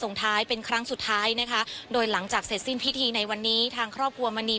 ในพื้นที่ครับ